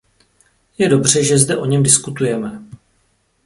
Je dobře, že zde o něm diskutujeme.